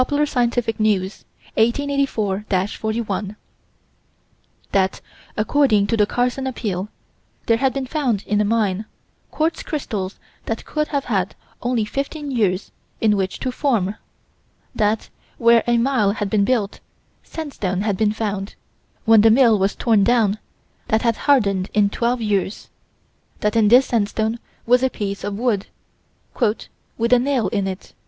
Sci. News_, 1884 41: That, according to the Carson Appeal, there had been found in a mine, quartz crystals that could have had only 15 years in which to form: that, where a mill had been built, sandstone had been found, when the mill was torn down, that had hardened in 12 years: that in this sandstone was a piece of wood "with a nail in it."